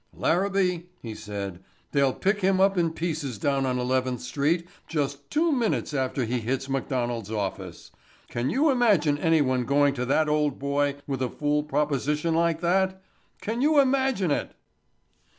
"Larabee," he said. "They'll pick him up in pieces down on Eleventh street just two minutes after he hits McDonald's office. Can you imagine anyone going to that old boy with a fool proposition like that? Can you imagine it!"